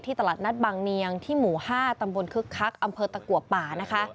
ตลาดนัดบางเนียงที่หมู่๕ตำบลคึกคักอำเภอตะกัวป่านะคะ